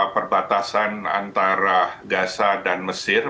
perbatasan antara gaza dan mesir